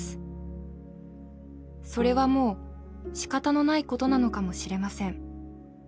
それはもうしかたのないことなのかもしれません。